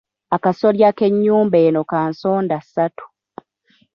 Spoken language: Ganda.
Akasolya k'ennyumba eno ka nsondassatu.